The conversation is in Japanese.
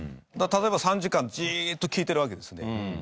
だから例えば３時間ジーッと聞いてるわけですね。